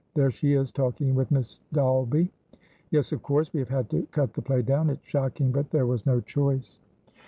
There she is, talking with Miss Dolbey.Yes, of course we have had to cut the play down. It's shocking, but there was no choice."